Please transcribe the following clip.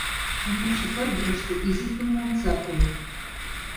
Шемемше пырдыжыште изи тумо омса койо.